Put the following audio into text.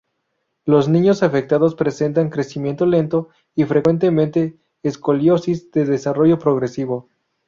Los niños afectados presentan crecimiento lento y frecuentemente escoliosis de desarrollo progresivo.